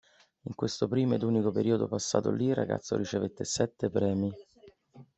In questo primo ed unico periodo passato lì il ragazzo ricevette sette premi.